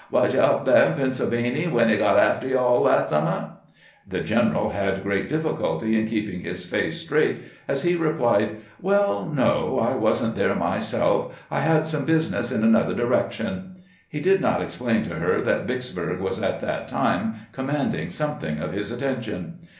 Was you up thah in Pennsylvany when he got aftah you aU last summer f " The general had great difficulty in keep ing his face straight as he replied :" Well, no ; I was n't there myself. I had some business in another direction." He did not explain to her that Vicksburg was at that time commanding something of his attention.